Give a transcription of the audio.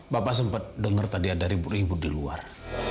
bapak sempat dengar tadi ada ribu ribu di luar